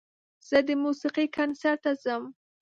زه د موسیقۍ کنسرت ته ځم.